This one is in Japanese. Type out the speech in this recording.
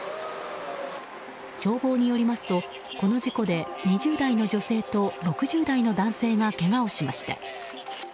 消防によりますと、この事故で２０代の女性と６０代の男性がけがをしました。